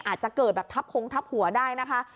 อาจจะเกิดแบบทับพงทับหัวได้นะคะ